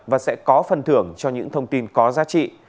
và sẽ có phần thưởng cho những thông tin có giá trị